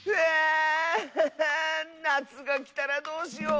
「なつがきたらどうしよう！